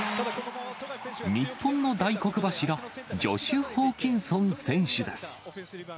日本の大黒柱、ジョシュ・ホーキンソン選手です。